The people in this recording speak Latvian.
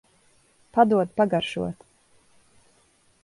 Padod pagaršot.